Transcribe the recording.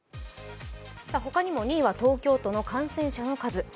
他にも２位は東京都の感染者の数。